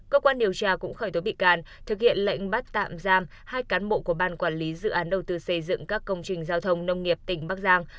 cơ quan điều tra cũng khởi tố bị can thực hiện lệnh bắt tạm giam hai cán bộ của ban quản lý dự án đầu tư xây dựng các công trình giao thông nông nghiệp tỉnh bắc giang